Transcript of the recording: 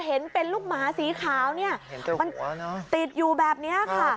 เห็นเป็นลูกหมาสีขาวเนี้ยเห็นแต่หัวเนอะติดอยู่แบบเนี้ยค่ะ